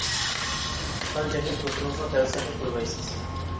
سان چەكلىك دوستلىرىڭىزغا تەۋسىيە قىلىپ قۇيغايسىز.